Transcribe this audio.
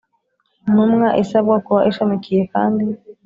Ntumwa isabwa kuba ishamikiye kandi